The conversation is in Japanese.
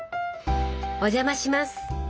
お邪魔します。